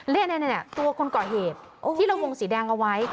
เล่นเนี้ยเนี้ยเนี้ยตัวคนเกาะเหตุที่เราวงสีแดงเอาไว้